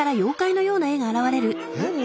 何？